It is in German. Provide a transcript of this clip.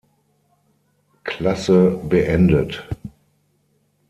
Klasse beendet.